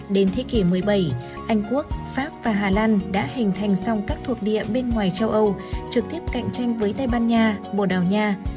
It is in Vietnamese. đến thế kỷ một mươi bảy anh quốc pháp và hà lan đã hình thành xong các thuộc địa bên ngoài châu âu trực tiếp cạnh tranh với tây ban nha bồ đào nha